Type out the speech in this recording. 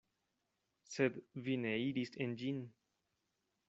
Sed vi ne iris en ĝin.